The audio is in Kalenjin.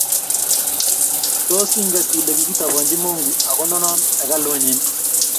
tos inget ile kikitobonchi mungu anonon ekaluni?